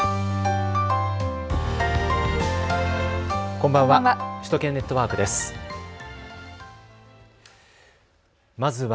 こんばんは。